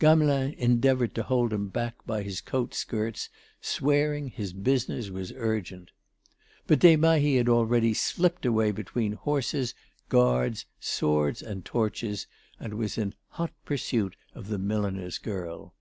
Gamelin endeavoured to hold him back by his coat skirts, swearing his business was urgent. But Desmahis had already slipped away between horses, guards, swords and torches, and was in hot pursuit of the milliner's girl.